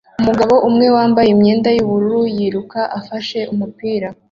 Umugabo umwe wambaye imyenda yubururu yiruka afashe umupira